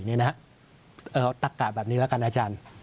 เอาตักกะแบบนี้แล้วกันอาจารย์